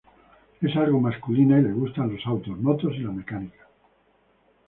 Es algo masculina y le gustan los autos, motos y la mecánica.